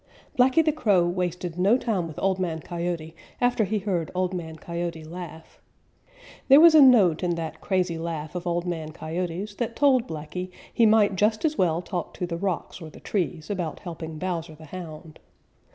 _ Blacky the Crow wasted no time with Old Man Coyote after he heard Old Man Coyote laugh. There was a note in that crazy laugh of Old Man Coyote's that told Blacky he might just as well talk to the rocks or the trees about helping Bowser the Hound.